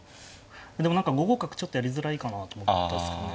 でも５五角ちょっとやりづらいかなと思ったんですけどね。